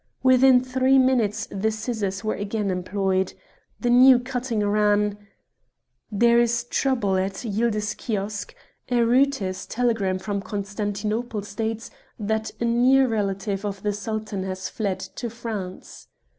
Within three minutes the scissors were again employed. The new cutting ran "There is trouble at Yildiz Kiosk. A Reuter's telegram from Constantinople states that a near relative of the Sultan has fled to France.